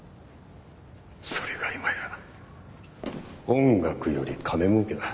それが今や音楽より金儲けだ。